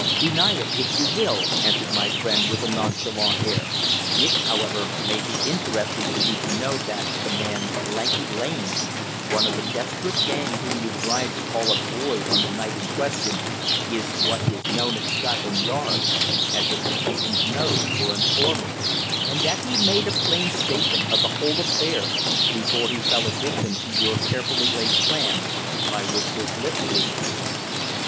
"Deny it if you will," answered my friend, with a nonchalant air. "It, however, may be interesting to you to know that the man 'Lanky Lane,' one of the desperate gang whom you bribed to call up Boyd on the night in question, is what is known at Scotland Yard as a policeman's 'nose,' or informer; and that he made a plain statement of the whole affair before he fell a victim to your carefully laid plan by which his lips were sealed."